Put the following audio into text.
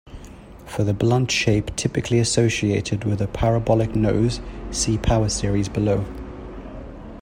For the blunt shape typically associated with a parabolic nose, see power series below.